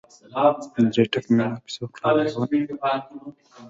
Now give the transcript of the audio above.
درې ټکه مې نور پسې وکړل او یو مې ځنې را و پرځاوه.